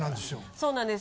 そうなんです